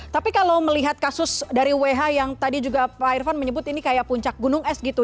tapi kalau melihat kasus dari who yang tadi juga pak irvan menyebut ini kayak puncak gunung es gitu